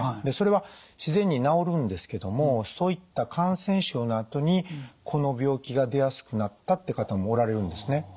でそれは自然に治るんですけどもそういった感染症のあとにこの病気が出やすくなったって方もおられるんですね。